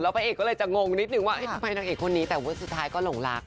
พระเอกก็เลยจะงงนิดนึงว่าทำไมนางเอกคนนี้แต่ว่าสุดท้ายก็หลงรัก